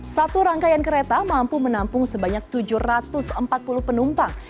satu rangkaian kereta mampu menampung sebanyak tujuh ratus empat puluh penumpang